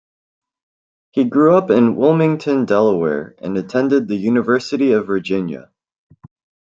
He grew up in Wilmington, Delaware and attended the University of Virginia.